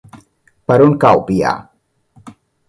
Per on cau Biar?